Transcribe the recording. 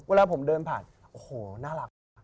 เวลาผมเดินผ่านโอ้โหน่ารักมาก